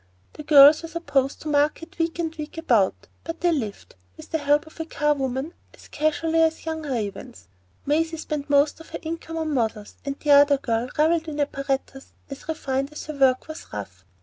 The girls were supposed to market week and week about, but they lived, with the help of a charwoman, as casually as the young ravens. Maisie spent most of her income on models, and the other girl revelled in apparatus as refined as her work was rough.